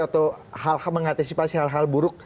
atau mengantisipasi hal hal buruk